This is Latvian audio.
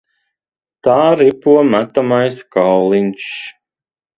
Tā ripo metamais kauliņš.